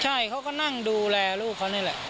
ใช่เขาก็นั่งดูแลลูกเขานี่แหละ